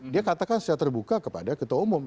dia katakan secara terbuka kepada ketua umum